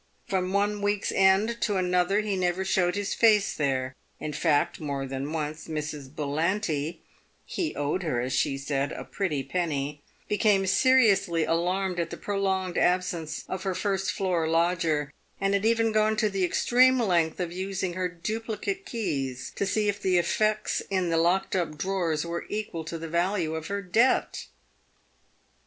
From one week's end to another he never showed his face there ; in fact, more than once, Mrs. Bullanty (he owed her, as she said, " a pretty penny") became seriously alarmed at the prolonged absence of her first floor lodger, and had even gone to the extreme length of using her duplicate keys, to see'if the effects in the locked up draw r ers w r ere equal to the value of her debt.